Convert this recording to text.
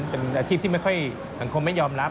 เป็นอาชีพที่ไม่ค่อยสังคมไม่ยอมรับ